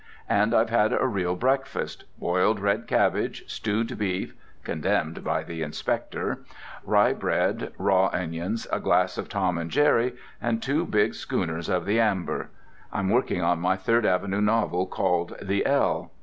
And I've had a real breakfast: boiled red cabbage, stewed beef (condemned by the inspector), rye bread, raw onions, a glass of Tom and Jerry, and two big schooners of the amber. I'm working on my Third Avenue novel called 'The L.'